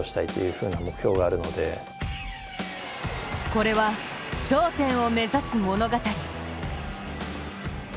これは、頂点を目指す物語。